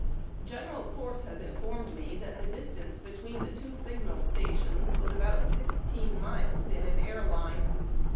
General Corse has informed me that the distance between the two signal stations was about sixteen miles in an air line.